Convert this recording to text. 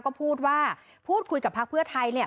ก็พูดว่าพูดคุยกับพักเพื่อไทยเนี่ย